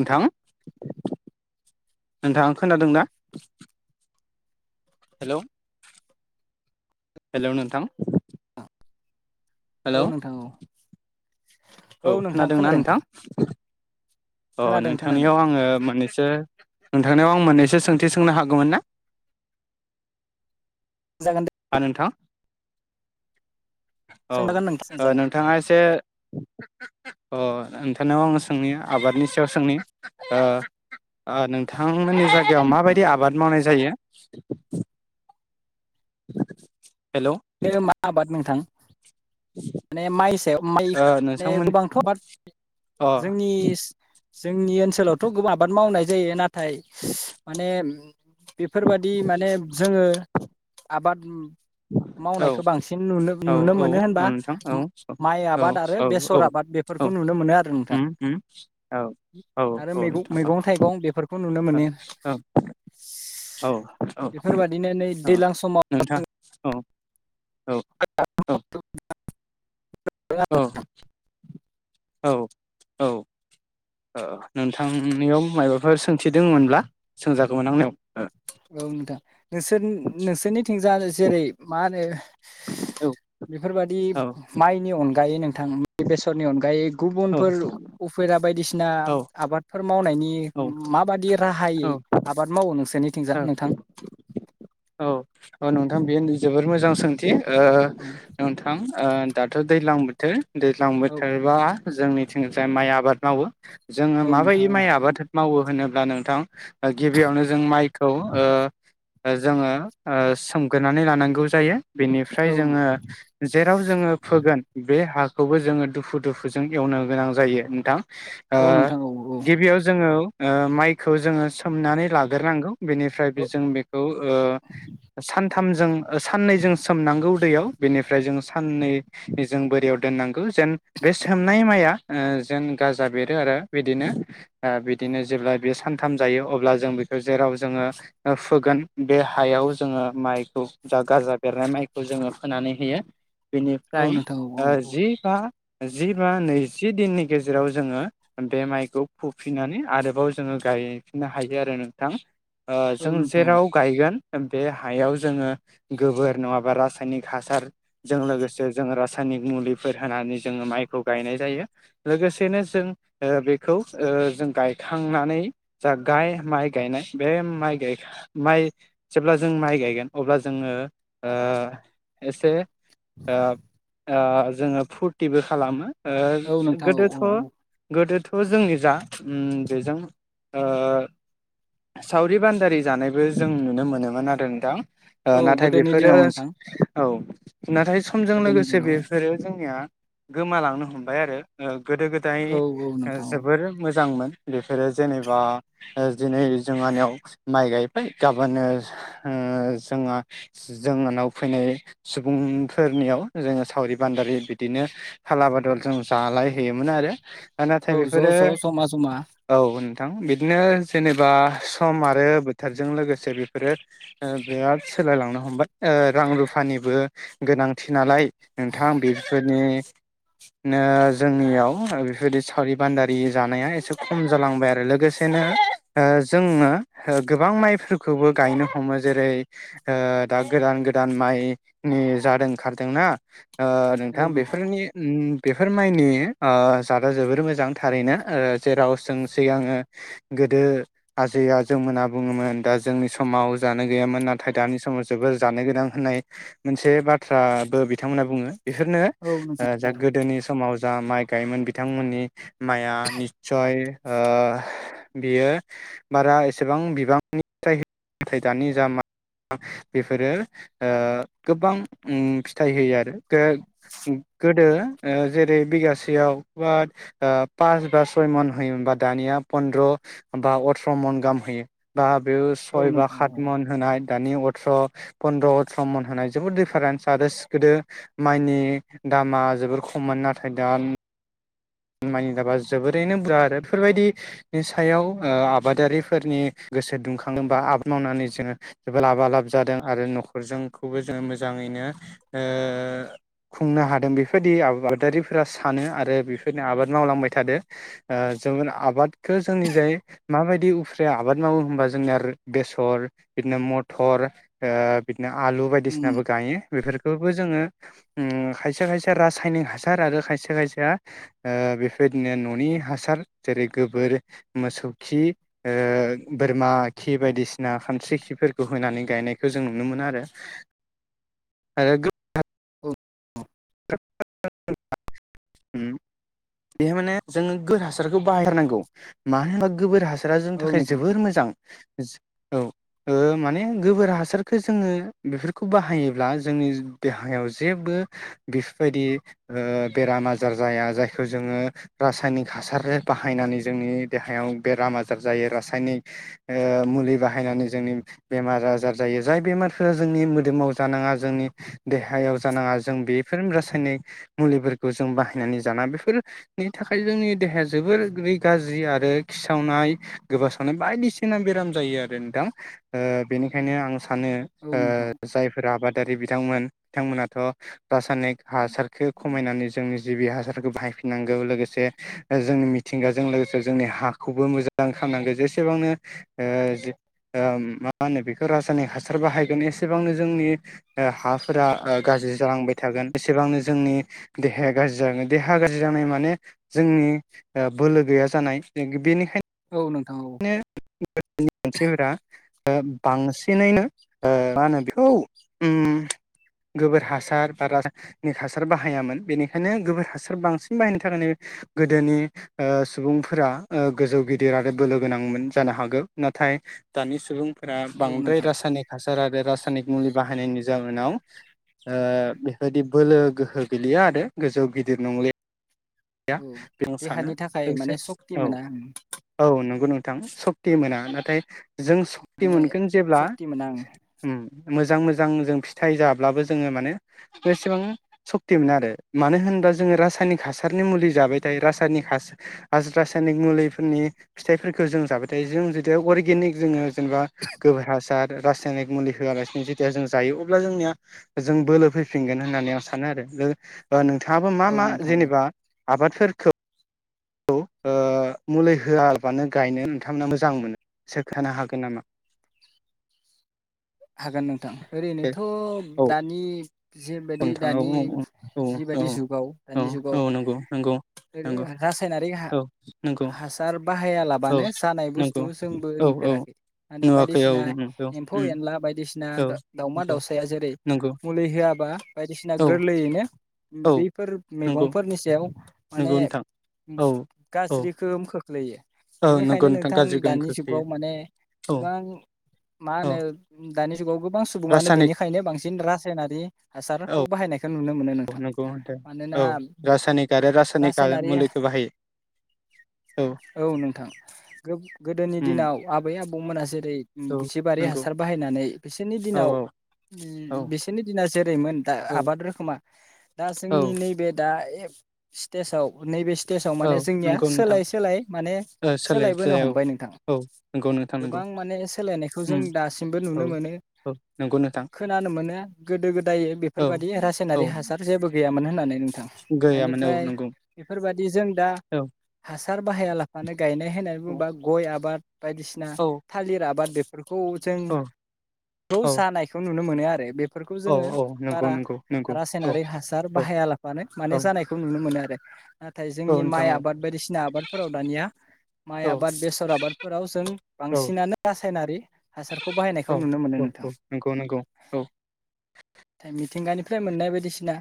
औ नोंथां। नोंथाङा खोनादोंना? हेलौ। हेलौ नोंथां। हेलौ औ नोंथां औ। औ नोंथां खोनादोंना खोनादों नोंथां औ खोनादों खोनादों नोंथांनियाव आङो मोन्नैसो नोंथांनियाव आं मोन्नैसो सोंथि सोंनो हागौमोन ना? जागोन। दे हा नोंथां। औ सोंजागोन नोंथां ओ सोंजागोन नोंथाङा एसे ओ नोंथांनाव आङो सोंनि आबादनि सायाव सोंनि ओ आं नों थांमोननि जायगायाव नोंथां माबायदि आबाद मावनाय जायो? [inaudible] हेल बे मा आबाद नोंथां? माने माइ सायाव माइ ओ माने नोंथांमोन गोबांथ बाद अ औ जोंनि जोंनि ओनसोलावथ गोबां आबाद मावनाय जायो नाथाय माने ओम बेफोरबायादि माने जोङो आबाद ओम मावनायखौ बांसिन नुनो औ नुनो औ मोनो होनबा औ नोंथां औ माइ औ आबाद आरो औ बेसर औ आबाद बेफोरखौ औ नुनो मोनो आरो नोंथां उम उम औ औ आरो मैगं नोंथां मैगं-थाइगं बेफोरखौ नुनो मोनो औ औ औ बेफोरबादिनो नै औ दैज्लां समाव नोंथां औ औ औ औ [unintelligible] औ औ नोंथांनियाव माबाफोर सोंथिदोंमोनब्ला सोंजाखगौमोन आंनियाव औ औ नोंथां नोंसोर नोंसोरनिथिंजा जेरै मा होनो औ बेफोरबायदि औ माइनि अन दायो नोंथांनि बेसदनि अनगायै औ गुबुनफोरल उफा बायदिसिना आबादफोर मावनायनि औ माबाददि राहायै औ आबाद मावो नोंस निथिंजा नोंथां अ नोंथां बेयो जबोर मोजां सोंथि ओ औ नोंथां ओ दाथ दैजलां बोथोर दैज्लां औ बोथोरबा जोंनिथिं जाय माइ आबाद मावो। जोङो औ नोंथां माबायदि औ माइ आबाद मावो होनोब्ला नोंथां गिबियावनो जों माइखौ ओ जोङो ओ सोमगोरानै लानांगौ जायो। बेनिफ्राय औ जोङो जेराव जोङो फोगोन बे हा खौबो जोङो दुफु-दुफुजों एवनो गोनां जायो नोंथां। ओ औ नोंथां औ औ गिबियाव जोङो ओ माइखौ जोङो सोमनानै लाग्रोनांगौ बेनिफ्राय बे औ जों बेखौ‌ ओ सानथामजों सान्नै जों सोमनांगौ दैयाव। बेनिफ्राय जों साननै जों बोरियाव दोनांगौ जेन बे सोमनाय माइआ ओ जेन गाजा बेरो आरो बिदिनो -बिदिनो जेब्ला बे सानथाम जायो अब्ला जों बेखौ जेराव जोंओ फोगोन बे‌ हायाव जोङो माइखौ जा-गाजा बेरनाय माइखौ जोङो फोनानै होयो। औ बेनिफ्राय नोंथां औ ओ औ जि बा जि बा नैजि दिननि गेजेराव जोङो बे माइखौ फुफिननानै आरोबाव जोङो गायफिननो हायो आरो नोंथां। ओ औ जों नोंथां औ जेराव गायगोन [unintelligible] बे हायाव जोङो गोबोर नङाबा रासायनिक हासारजों लोगोसे जों रासायनिक मुलिफोर होनानै जोङो माइखौ गायनाय जायो। लोगोसेनो जों ओ बेखौ ओ जों गायखांनानै जा गाय माइ गायनाय बे माइ-गाय-माइ जेब्ला जों माइ गायगोन अब्ला जोङो ओ एसे ओ ओ जोङो फुरथिबो खालामो। ओ औ नोंथां औ औ औ गोदोथ-गोदो थ जोंनि जा उम बेजों ओ सावरि-बान्दारि जानायबो जों नुनो मोनो नोमोन आरो नोंथां। ओ औ नाथाय गोदोनि बेफोरो दिनाव नोंथां औ नाथाय समजों गोदोनि लोगोसे दिनाव बेफोरो जोंनिया गोमालांनो हमबाय आरो ओ गोदो-गोदाय औ औ ओ नोंथां औ जोबोर मो जांमोन बेफोरो जेनेबा ओ दिनै जोंहानियाव माइ गायबाय गाबोन ओ ओ जोंहा-जोंहानाव फैनाय सुबुंफोरनियाव जोङो सावरि-बान्दारि बिदिनो फाला-बादल जों जालायहैयोमोन आरो। नाथाय औ ज' बेफोरो ज' जमा जमा औ नों थां बिदिनो जेनेबा सम आरो बोथोरजों लोगोसे बेफोरो ओ बिराद सोलायलांनो हमबाय। ओ रां रुफानिबो गोनांथि नालाय। नोंथां बिफोरनि नो जोंनियाव आरो बेफोरबायदि सावरि-बान्दारि जानाया एसे खम जालांबाय आरो‌। लोगोसेनो जोङो गोबां माइफोरखौबो गायनो हमो जेरै ओ दा गोदान-गोदान माइ नि जाद ओंखारदोंना? ओ नोंथां बेफोरनि बेफोर माइनि ओ जादआ जोबोर मोजां थारैनो। ओ जेराव जों सिगाङो गोदो आजै-आजौमोना बुङोमोन दा जोंनि सम माव जानो गैयामोन नाथाय दानि समाव जोबोर जानो गोनां होननाय मोनसे बाथ्राबो बिथांमोनहा बुङो। बेफोरनो औ नोंथां ओ जा गोदोनि समाव जा माइ गायोमोन बिथांमोननि माया निस्सय ओ बियो बारा एसेबां बिबांनि [unintelligible] नाथाय दानि जा मा [unintelligible] बेफोरो ओ गोबां उम फिथाइ होयो आरो [unintelligible] गोदो ओ जेरै बिगासेयाव [unintelligible] पास बा सय मन होयोमोन बा दानिया पनन्द्र बा अथ्र मन गाहाम होयो बा बे औ सय बा नोंथां खात औ मन होनाय दानि अथ्र फन्द्र अथ्र मन होनाय जोबोद दिडिफारेन्स आरो गोदो माइनि दामा जोबोर खममोन। नाथाय दा मायनि दामा जोबोरैनो बुरजा आरो बेफोरबायदिनि सायाव ओ आबादारिफोरनि गोसो दुंखाङोबा आबाद मावनानै जोङो जोबोद लाबा लाब जादों आरो न'खरजोंखौबो जोङो मोजाङैनो ओ खुंनो हादों बेफोरबायदि आबादारिफोरा सानो आरो बे [unintelligible] आबाद मावलांबाय थादो ओ जों आबादखौ जोंनि जाय माबायदि उफ्रिया आबाद मावो होनबा जोंनिया बेसर बिदिनो मथर ओ बि नो आलु उम बायदिसिनाबो गायो। बेफोरखौबो जोङो उम खायसे खायसे रासायनिक हासार आरो खायसे खायसेया ओ बेफोरबायदिनो न'नि हासार जेरै गोबोर मोसौ खि ओ बोरमा खि बायदिसिना खानस्रि खिफोरखौ होनानै गायनायखौ जों नुनो मोनो आरो आरो [inaudible] औ [inaudible] माने जोङो [unintelligible] हासारखौ बाहाय थारनांगौ मानो होनबा गोबोर हा सारा औ थाखाय नोंथां जोबोर मोजां जो औ ओ माने गोबोर हासारखौ जोङो बेफोरखौ बाहायोब्ला जोंनि देहायाव जेबो बेफोरबायदि ओ बेराम आजार जाया। जायखौ जोङो रासायनिक हासार बाहायनानै जोंनि देहायाव बेराम आजार जायो, रासायनिक ओ मुलि बाहायनानै जोंनि बेमार आजार जायो, जाय बेमारफोरा जोंनि मोदोमाव जानाङा, जोंनि देहायाव जानाङा, जों बे बेफोर रासायनिक मुलिफोरखौ जों बाहायनानै जाना बेफोरनि थाखाय जोंनि देहाया जोबोरै गाज्रि आ रो खिसावनाय गोबासावनाय बायदिसिना बेराम जायो आरो नोंथां ओ बेनिखायनो आं सानो औ ओ नोंथां जायफोर आबादारि बिथांमोन बिथांमोनाथ' रासायनिक हासारखो खमायनानै जोंनि जिबि हासारखौ बाहायफिननांगौ लोगोसे जोंनि मिथिंगाजों लोगोसे जोंनि हाखौबो मोजां खामनांगो। जेसेबांनो ओ मा जे होनो बेखौ रासायनिक हासार बाहायगोन एसेबांनो जोंनि ओ हाफोरा ओ गाज्रि जालांबाय थागोन एसेबांनो जोंनि देहाया गाज्रि जागोन। देहा गाज्रि जानाय माने जोंनि बोलो गैया जानाय। बेनिखायनो औ नोंथां औ नो नि सोहोरा ओ बांसिनैनो ओ मा होनो बेखौ ओम गोबोर हासार बा रासायनिक हासार बाहायामोन बेनिखायनो गोबोर हासार बांसिन बाहायनो थाखायनो ओ गोदोनि ओ सुबुंफोरा गोजौ गिदिर आरो बोलो गोनांमोन जानो हागौ! नाथाय दानि सुबुं फोरा औ बांद्राय नोंथां रासायनिक हासार आरो रासायनिक मुलि बाहायनायनि जाहोनाव ओ बेबायदि बोलो गोहो गलिया आरो गोजौ गिदिर नंलि गैया औ बे सानो देहानि थाखाय लोगोसे माने सक्ति मोना आं औ-औ नंगौ नों थां सक्ति मोना नाथाय जों सक्ति माने मोनगोन जेब्ला सक्ति मोना आं उम मोज मोजां-मोजां जों फिथाइ जाब्लाबो जों माने बेसेबां सक्ति मोना आरो मानो होनबा जों रासायनिक हासार नि मुलि जाबायथायायो रासायनिक हास रासायनिक मुलिफोरनि फिथाइफोरखौ जों जाबाय थायो जों जेतिया अर्गेनिक जोङो जेनेबा गोबोर हासार रासायनिक मुलि होआलासेनो जेतिया जों जायो अब्ला जोंनिया जों बोलो फैफिनगोन होननानै आं सानो आरो ओ नों हाबो मा औ मा नोंथां औ जेनेबा आबादफोरखौ औ ओ मुलि होआबानो गायनो नोंथांमोना मोजां मोनो सोखानो हागोन नामा? हागोन नोंथां, ओरैनोथ' औ दानि जिबायदि नोंथां औ दानि औ औ जिबादि जुगाव औ दानि औ जुगाव नंगौ नंगौ नंगौ रासायनारि बे औ नंगौ हा-हासार औ बाहायालाबानो जानाय बुस्थु नंगौ जोंबो औ औ नुफेराखै माने नुवाखै औ बायदिसिना नंगौ उम एम्फौ-एनला बायदिसिना औ नंगौ दा-दाउमा-दाउसाया जेरै नंगौ मुलै हो याबा बायदिसिना औ गोरलैयैनो औ बैफोर नंगौ मैगंफोरनि सायाव नंगौ माने नोंथां औ औ गाज्रिखोम खोख्लैयो औ नंगौ बेनिखायनो नोंथां गाज्रि गोहोम दानि जुगाव खोख्लैयो माने औ गोबां मा होनो औ दानि औ गोबां सुबुङानो रासायनिक बेनिखायनो बांसिन रासायनारि औ हासारखौ बाहायनायखौ नुनो मोनो नोंथां। नंगौ नोंथां मानोना औ रासायनिक आरो रासायनिक रासायनारि मुलिखौ बाहायो औ नोंथां गो-गोदोनि उम दिनाव आबै आबौमोना जेरै औ जिबारि नंगौ हासार फैनानै बिसोरनि औ दिनाव औ बिसोरनि दिना रैमोन दा औ आबाद रोखोमा दा जोंनि औ नैबे दा ए सितेसाव नैबे सि सटेजाव औ माने जोंनिया नंगौ नोंथां सोलाय सोलाय माने सोलाय सोलायबोनो सोलाय औ हमबाय नोंथां औ नंगौ नोंथां नंगौ गोबां माने सोलायनायखौ जों उम दा सि [unintelligible] औ नुनो मोनो औ नंगौ नोंथां खोनानो मोनो गोदो-गोदाय औ बेफोरबायदि औ रासायनारि हासार जेबो गैयामोन होननानै [unintelligible] गैयामोन औ एनिफ्राय नंगौ बेफोरबादि जों दा औ हास सार बाहाया लाबानो गायनाय होननानै औ बुङोबा गय आबाद बायदिसिना औ थालिर आबाद बेफी [unintelligible] [unintelligible] औ सानायखौ नु नुनो मोनो आरो बे फोरखौ औ जोङो औ नंगौ बारा नंगौ नंगौ औ रासायनारि हासार औ बाहायालाबानो माने औ जानायखौ नुनो मोनो आरो। [inaudible] नाथाय जोंनि माइ नोंथां औ आबाद बायदिसिना आबादफोराव दानिया माइ औ आबाद बेसर आबादफोराव जों औ बांसिनानो रासायनारि हासार औ औ औ नंगौ नंगौ औ। थाय मिथिंगानिफ्राय मोननाय बायदिसिना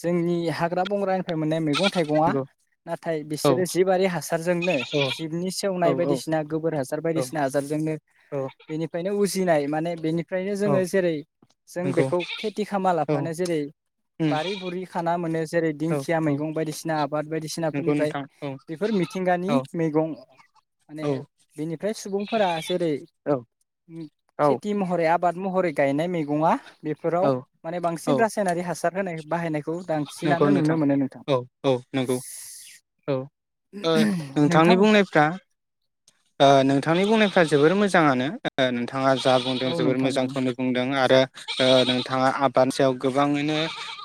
जोंनि हाग्रा बंग्रानिफ्राय मोननाय मैगं थाइगंआ नंगौ नाथाय औ बिसोरो जिबारि हासारजोंनो औ औ जिबनि सेवनाय औ औ बायदिसिना गोबोर हासार बायदिसिना हासारजोंनो बेनिफाइनो उ दिनाय माने बेनि फ्रायनो औ जोङो जेरै जों नंगौ बेखौ खेथि औ खालामालाफानो जेरै उम बारि बुरि खाना मोनो जेरै दिंखिया औ औ मैगं बायदिसिना आबाद नंगौ बायदिसिनाफोरनिफ्राय नोंथां औ बेफोर मिथिंगानि औ मैगं माने औ बिनिफ्राय सुबुंफोरा जेरै औ औ खेथि महरै आब बाद महरै गायनाय मैगङा बे फोराव औ माने औ बांसिन रासायनारि हासार होनाय बाहायनाय नंगौ नोंथां औ औ नंगौ औ ओ नोंथांनि नोंथां बुंनायफ्राओ नोंथांनि बुंनायफ जोबोर मोजाङानो [unintelligible] बिथाङा जा औ बुंदों जोबोर नोंथां औ मोजांखौनो बुंदों आरो ओ नोंथाङा आबानि सायाव गोबाङैनो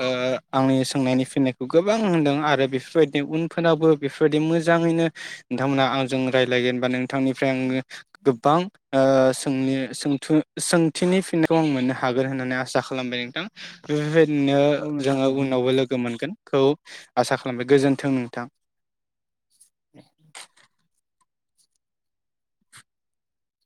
ओ आंनि सोंनायनि फिनायखौ गोबां होनदों आरो बेफोर बायदि उनफोरनावबो बेफोर बायदि मोजाङैनो नोंथांमोना आंजों रायज्लायगोनबा नों बिथांनिफ्राय आङो गोबां ओ सों-सोंथु-सोंथिनि फिन्नायखौ आं मोननो हागोन होननानै आसा खालामबाय नोंथां औ बेबायदि [unintelligible] नोंथां जोङो औ उनावबो नोंथां लोगो मोनगोन खौ आसा खालामबाय गोजोन्थों नोंथां ए [inaudible]